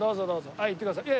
はい行ってください。